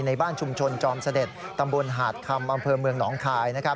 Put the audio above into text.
ในบ้านชุมชนจอมเสด็จตำบลหาดคำอำเภอเมืองหนองคาย